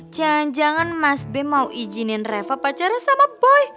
jangan jangan mas b mau izinin reva pacarnya sama boy